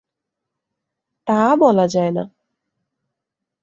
তা বলা যায় না।